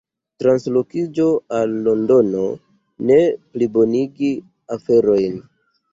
Translokiĝo al Londono ne plibonigi aferojn.